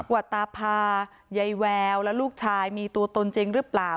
ว่าตาพายายแววและลูกชายมีตัวตนจริงหรือเปล่า